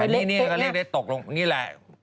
นี่ก็เรียกได้ตกลงนี่แหละ